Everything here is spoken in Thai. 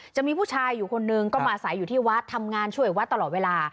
จะมีผู้ชายอยู่คนหนึ่งก็มาใส่อยู่ที่วัดทำงานช่วยวัดตลอดเวลา